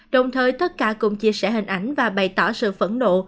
đồng thời tất cả cùng chia sẻ hình ảnh và bày tỏ sự phẫn nộ